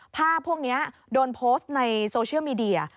ภาพพวกนี้โดนโพสต์ในโซเชียลมีเดีย